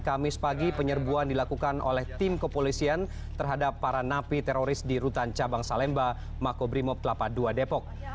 kamis pagi penyerbuan dilakukan oleh tim kepolisian terhadap para napi teroris di rutan cabang salemba makobrimob kelapa ii depok